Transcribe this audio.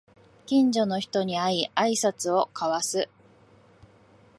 近所の人に会いあいさつを交わす